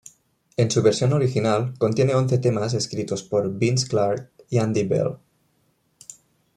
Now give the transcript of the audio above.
En su versión original contiene once temas escritos por Vince Clarke y Andy Bell.